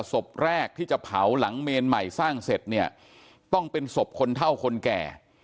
ศพแรกที่จะเผาหลังเมนใหม่สร้างเสร็จเนี่ยต้องเป็นศพคนเท่าคนแก่